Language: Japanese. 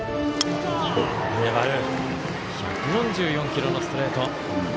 １４４キロのストレート。